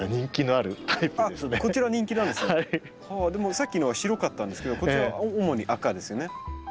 さっきのは白かったんですけどこちらは主に赤ですよね。